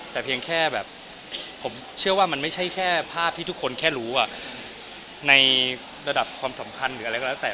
แต่เพียงแค่แบบผมเชื่อว่ามันไม่ใช่แค่ภาพที่ทุกคนแค่รู้ในระดับความสัมพันธ์หรืออะไรก็แล้วแต่